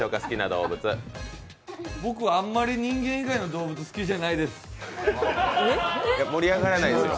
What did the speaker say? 僕はあまり人間以外の動物好きじゃないです。